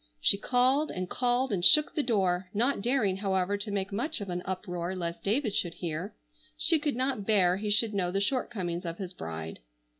She called and called and shook the door, not daring, however, to make much of an uproar lest David should hear. She could not bear he should know the shortcomings of his bride.